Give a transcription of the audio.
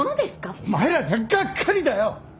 お前らにはがっかりだよ！